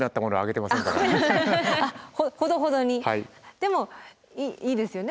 でもいいですよね